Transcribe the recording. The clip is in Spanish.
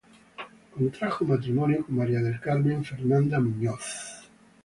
Contrajo matrimonio con María del Carmen Fernanda Muñoz.